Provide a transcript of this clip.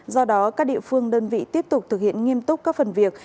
do đó các địa phương đơn vị tiếp tục thực hiện nghiêm túc các phần việc